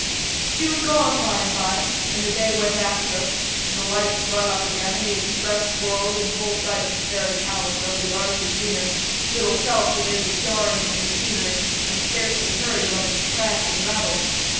She was gone by and by, and the day went after her, and the lights sprung up again, and the Express whirled in full sight of the Fairy Palace over the arches near: little felt amid the jarring of the machinery, and scarcely heard above its crash and rattle.